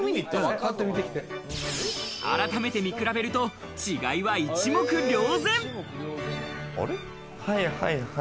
改めて見比べると、違いは一目瞭然。